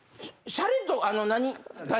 シャレと。